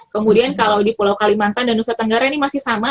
kemudian kalau di pulau kalimantan dan nusa tenggara ini masih sama